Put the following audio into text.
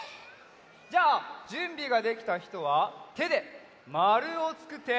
じゃあじゅんびができたひとはてでまるをつくって！